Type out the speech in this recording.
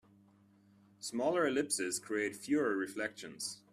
Smaller ellipses create fewer reflections.